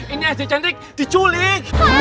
ini aja cantik diculik